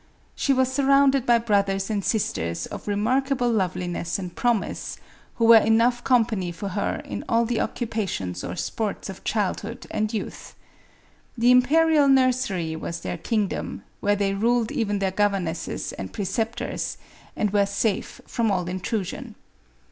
She was surrounded by brothers and sisters of remarkable love liness and promise, who were enough company for her in all the occupations or sports of childhood and youth. The imperial nursery was their kingdom, where they ruled even their governesses and preceptors, and were safe from all intrusion.